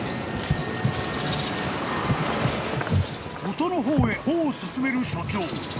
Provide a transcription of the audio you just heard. ［音の方へ歩を進める所長］